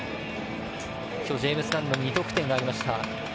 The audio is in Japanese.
きょう、ジェームズ・ダンの２得点がありました。